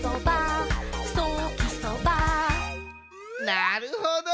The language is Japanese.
なるほど。